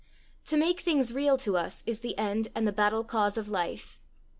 To make things real to us, is the end and the battle cause of life.